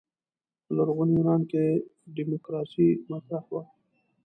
په لرغوني یونان کې دیموکراسي مطرح وه.